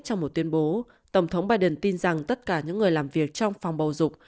trong một tuyên bố tổng thống biden tin rằng tất cả những người làm việc trong phòng bầu dục